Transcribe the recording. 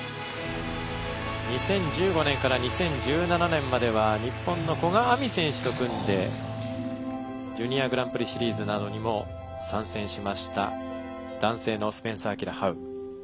２０１５年から２０１７年までは日本の古賀亜美選手と組んでジュニアグランプリシリーズなどにも参戦しました男性のスペンサーアキラ・ハウ。